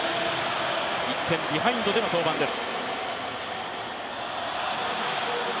１点ビハインドでの登板です。